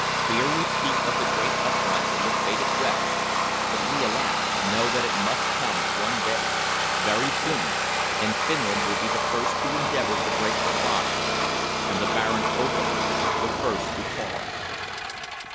Here we speak of the great uprising with bated breath, but we, alas! know that it must come one day very soon and Finland will be the first to endeavor to break her bonds and the Baron Oberg the first to fall."